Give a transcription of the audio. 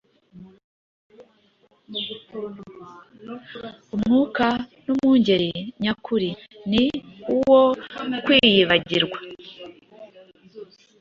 Umwuka w’umwungeri nyakuri ni uwo kwiyibagirwa